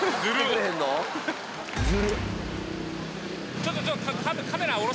ちょっとちょっと。